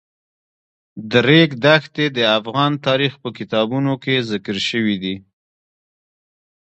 د ریګ دښتې د افغان تاریخ په کتابونو کې ذکر شوی دي.